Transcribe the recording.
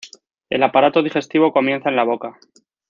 El aparato digestivo comienza en la boca.